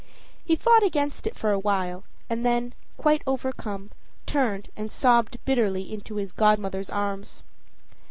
He fought against it for a while, and then, quite overcome, turned and sobbed bitterly in his godmother's arms.